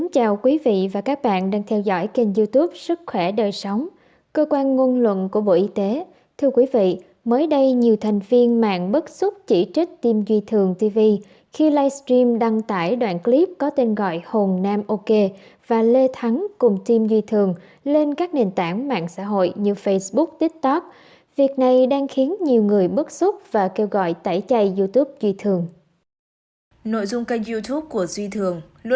chào mừng quý vị đến với kênh youtube sức khỏe đời sống